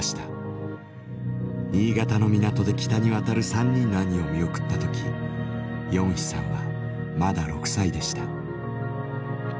新潟の港で北に渡る３人の兄を見送った時ヨンヒさんはまだ６歳でした。